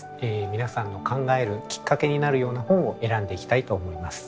皆さんの考えるきっかけになるような本を選んでいきたいと思います。